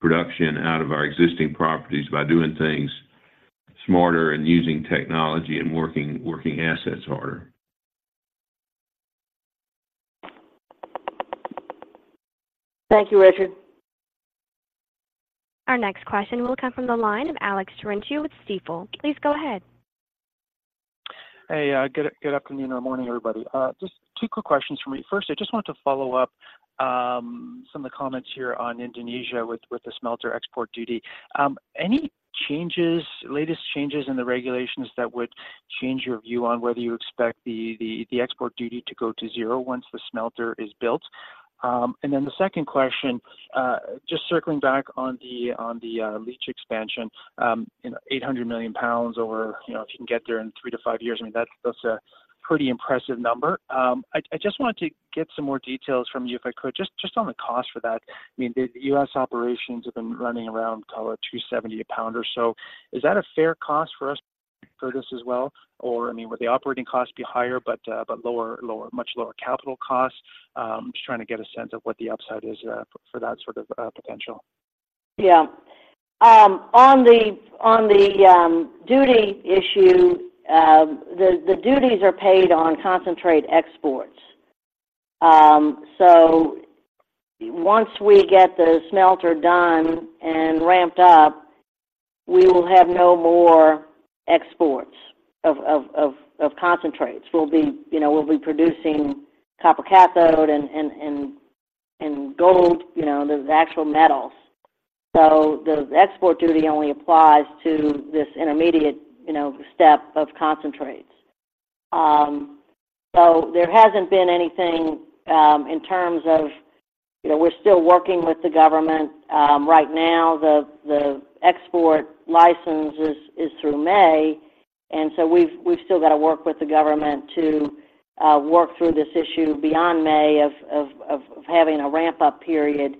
production out of our existing properties by doing things smarter and using technology and working assets harder. Thank you, Richard. Our next question will come from the line of Alex Terentiew with Stifel. Please go ahead. Hey, good, good afternoon or morning, everybody. Just two quick questions from me. First, I just wanted to follow up some of the comments here on Indonesia with the smelter export duty. Any changes, latest changes in the regulations that would change your view on whether you expect the export duty to go to zero once the smelter is built? And then the second question, just circling back on the leach expansion, you know, 800 million pounds over, you know, if you can get there in 3-5 years, I mean, that's a pretty impressive number. I just wanted to get some more details from you, if I could, just on the cost for that. I mean, the US operations have been running around, call it $2.70 a pound or so. Is that a fair cost for us for this as well? Or, I mean, would the operating costs be higher, but lower, much lower capital costs? Just trying to get a sense of what the upside is, for that sort of potential. Yeah. On the duty issue, the duties are paid on concentrate exports. So once we get the smelter done and ramped up, we will have no more exports of concentrates. We'll be, you know, we'll be producing copper cathode and gold, you know, the actual metals. So the export duty only applies to this intermediate, you know, step of concentrates. So there hasn't been anything in terms of... You know, we're still working with the government. Right now, the export license is through May, and so we've still got to work with the government to work through this issue beyond May of having a ramp-up period.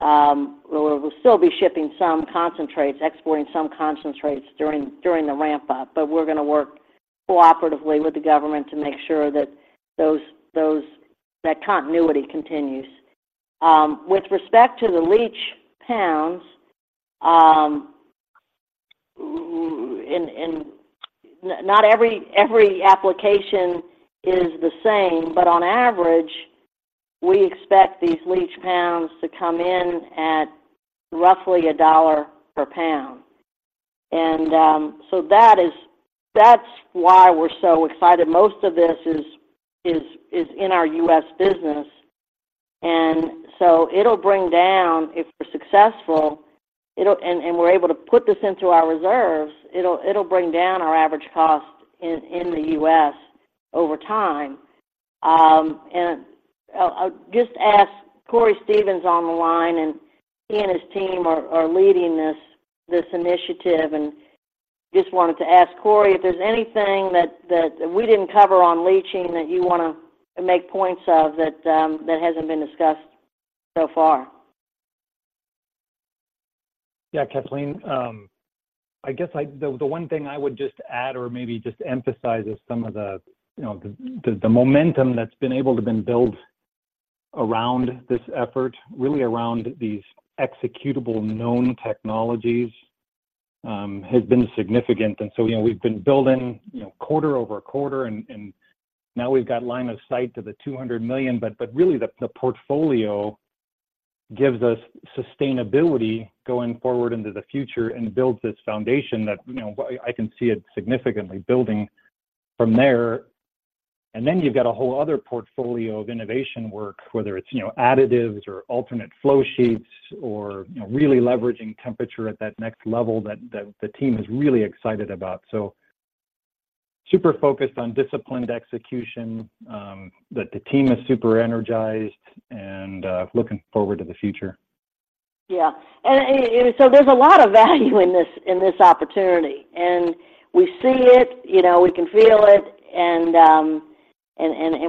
We'll still be shipping some concentrates, exporting some concentrates during the ramp-up, but we're gonna work cooperatively with the government to make sure that that continuity continues. With respect to the leach pounds, not every application is the same, but on average, we expect these leach pounds to come in at roughly $1 per pound. So that's why we're so excited. Most of this is in our U.S. business, and so it'll bring down, if we're successful, and we're able to put this into our reserves, it'll bring down our average cost in the U.S. over time. I'll just ask Cory Stevens on the line, and he and his team are leading this initiative, and just wanted to ask Cory if there's anything that we didn't cover on leaching that you want to make points of that hasn't been discussed so far? Yeah, Kathleen. I guess, the one thing I would just add or maybe just emphasize is some of the, you know, the momentum that's been able to been built around this effort, really around these executable known technologies, has been significant. And so, you know, we've been building, you know, quarter-over-quarter, and now we've got line of sight to the 200 million. But really the portfolio gives us sustainability going forward into the future and builds this foundation that, you know, I can see it significantly building from there. And then you've got a whole other portfolio of innovation work, whether it's, you know, additives or alternate flow sheets or, you know, really leveraging temperature at that next level that the team is really excited about. So- super focused on disciplined execution, that the team is super energized and looking forward to the future. Yeah. And so there's a lot of value in this opportunity, and we see it, you know, we can feel it, and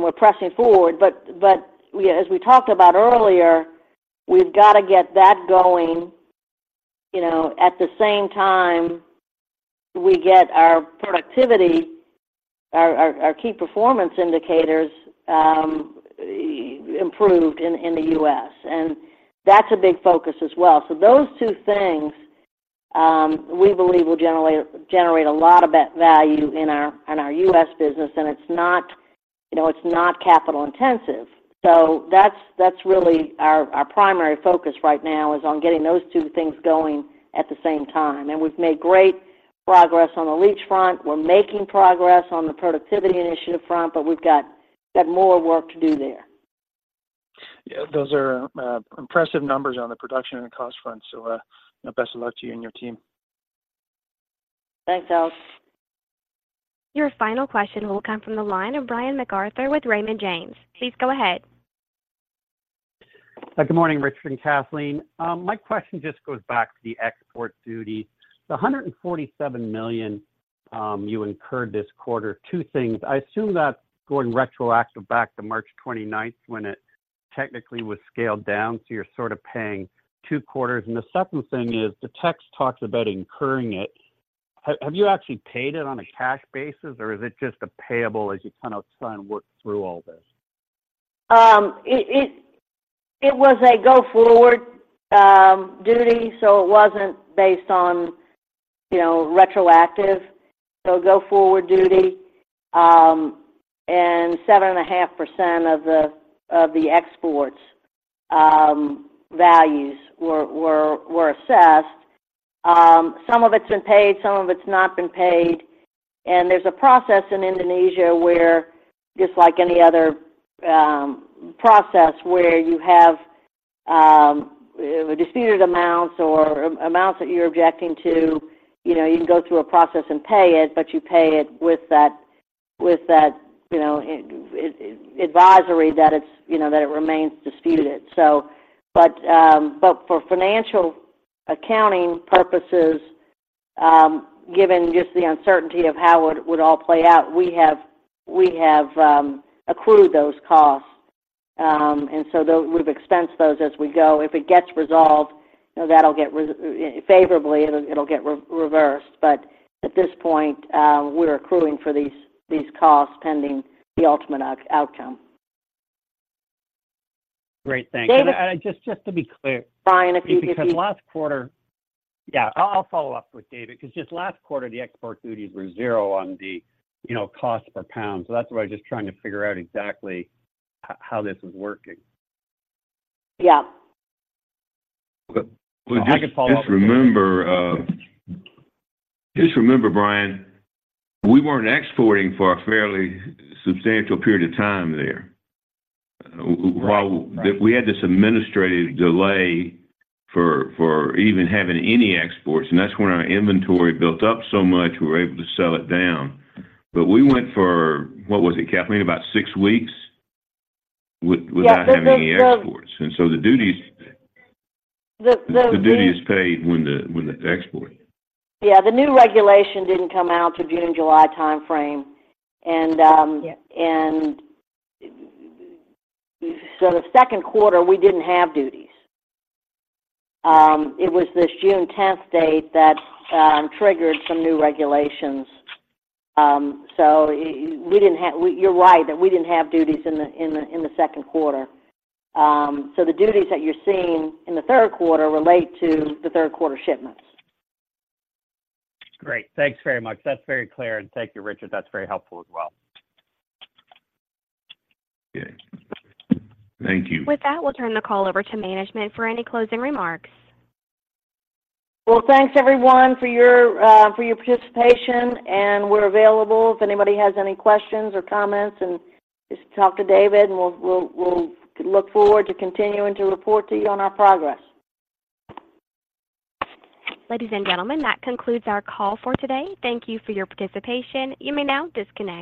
we're pressing forward. But we, as we talked about earlier, we've got to get that going, you know, at the same time we get our productivity, our key performance indicators improved in the U.S., and that's a big focus as well. So those two things, we believe will generate a lot of that value in our U.S. business, and it's not, you know, it's not capital intensive. So that's really our primary focus right now is on getting those two things going at the same time, and we've made great progress on the leach front. We're making progress on the productivity initiative front, but we've got more work to do there. Yeah, those are impressive numbers on the production and cost front, so best of luck to you and your team. Thanks, Alex. Your final question will come from the line of Brian MacArthur with Raymond James. Please go ahead. Hi. Good morning, Richard and Kathleen. My question just goes back to the export duty. The $147 million you incurred this quarter, two things: I assume that's going retroactive back to March twenty-ninth, when it technically was scaled down, so you're sort of paying two quarters. And the second thing is, the text talks about incurring it. Have you actually paid it on a cash basis, or is it just a payable as you kind of try and work through all this? It was a go-forward duty, so it wasn't based on, you know, retroactive. So go forward duty, and 7.5% of the exports values were assessed. Some of it's been paid, some of it's not been paid, and there's a process in Indonesia where, just like any other process, where you have disputed amounts or amounts that you're objecting to, you know, you can go through a process and pay it, but you pay it with that, you know, advisory that it's, you know, that it remains disputed. But for financial accounting purposes, given just the uncertainty of how it would all play out, we have accrued those costs. And so those we've expensed those as we go. If it gets resolved, you know, that'll get resolved favorably, it'll get reversed. But at this point, we're accruing for these costs pending the ultimate outcome. Great, thanks. David- Just to be clear- Brian, if you- Because last quarter... Yeah, I'll, I'll follow up with David, because just last quarter, the export duties were zero on the, you know, cost per pound. So that's why I was just trying to figure out exactly h-how this is working. Yeah. Well, just- I could follow up- Just remember, Brian, we weren't exporting for a fairly substantial period of time there. Right we had this administrative delay for even having any exports, and that's when our inventory built up so much, we were able to sell it down. But we went for, what was it, Kathleen? About six weeks with- Yeah, the- Without having any exports. And so the duties- The new- The duty is paid when the export. Yeah, the new regulation didn't come out till June, July timeframe. Yeah and so the second quarter, we didn't have duties. It was this June tenth date that triggered some new regulations. So you're right, that we didn't have duties in the second quarter. So the duties that you're seeing in the third quarter relate to the third quarter shipments. Great. Thanks very much. That's very clear, and thank you, Richard. That's very helpful as well. Good. Thank you. With that, we'll turn the call over to management for any closing remarks. Well, thanks everyone for your participation, and we're available if anybody has any questions or comments, and just talk to David, and we'll look forward to continuing to report to you on our progress. Ladies and gentlemen, that concludes our call for today. Thank you for your participation. You may now disconnect.